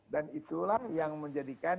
dan itulah yang menjadikan